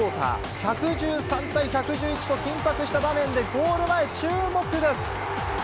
１１３対１１１と緊迫した場面で、ゴール前、注目です。